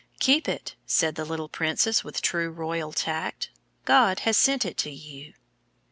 "Keep it," said the little princess, with true royal tact; "God has sent it to you."